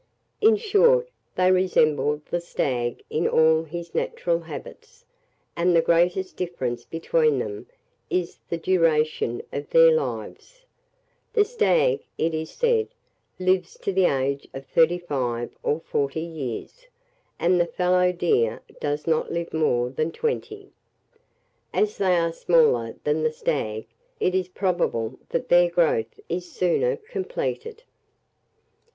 In short, they resemble the stag in all his natural habits, and the greatest difference between them is the duration of their lives: the stag, it is said, lives to the age of thirty five or forty years, and the fallow deer does not live more than twenty. As they are smaller than the stag, it is probable that their growth is sooner completed.